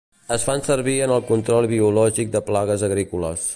Es fan servir en el control biològic de plagues agrícoles.